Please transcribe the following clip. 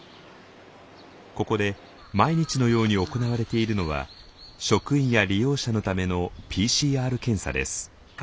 ここで毎日のように行われているのは職員や利用者のためのＰＣＲ検査です。